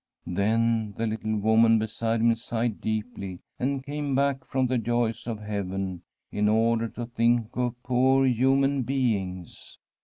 Then the little woman beside him sighed deeply, and came back from the joys of heaven in order to think of poor human beings.